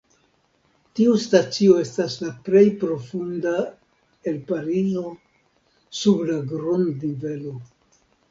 Tiu stacio estas la plej profunda el Parizo: sub la grund-nivelo.